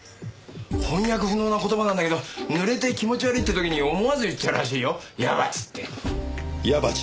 翻訳不能な言葉なんだけど濡れて気持ち悪いって時に思わず言っちゃうらしいよやばち！